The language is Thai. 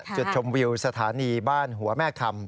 จุดชมวิวสถานีบ้านหัวแม่คำ